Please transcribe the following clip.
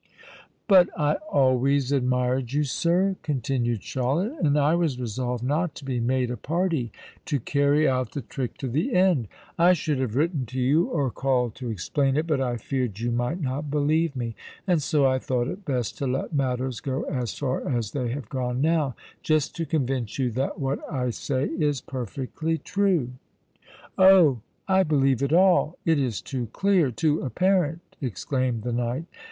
"But I always admired you, sir," continued Charlotte; "and I was resolved not to be made a party to carry out the trick to the end. I should have written to you—or called to explain it: but I feared you might not believe me;—and so I thought it best to let matters go as far as they have gone now, just to convince you that what I say is perfectly true." "Oh! I believe it all:—It is too clear—too apparent!" exclaimed the knight.